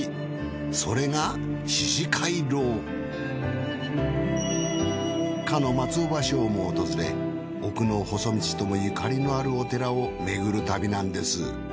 それがかの松尾芭蕉も訪れ『奥の細道』ともゆかりのあるお寺を巡る旅なんです。